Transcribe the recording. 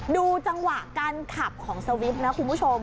ดูจังหวะการขับของสวิตช์นะคุณผู้ชม